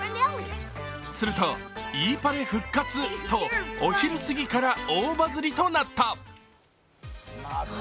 するとＥパレ復活とお昼過ぎから大バズりとなった。